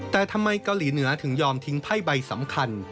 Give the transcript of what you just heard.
แต่ทำไมเกาหลีเหนือถึงยอมทิ้งไพ่ใบสำคัญ